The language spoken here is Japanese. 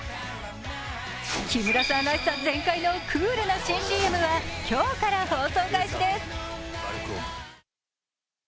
木村さんらしさ全開のクールな新ＣＭは今日から放送開始です。